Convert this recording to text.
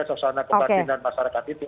sosial kebatinan masyarakat itu